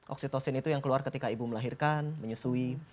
oksitosin itu yang keluar ketika ibu melahirkan menyusui